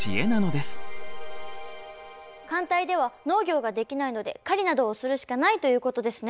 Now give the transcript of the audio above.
寒帯では農業ができないので狩りなどをするしかないということですね。